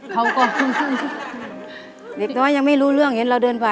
พี่กบยังไม่รู้เรื่องเห็นเราเดินป่ะ